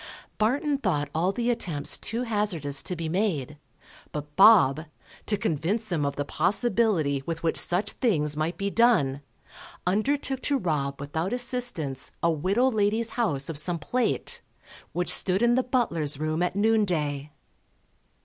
Barton thought all the attempts too hazardous to be made, but Bob, to convince him of the possibility with which such things might be done, undertook to rob without assistance a widow lady's house of some plate, which stood in the butler's room at noon day.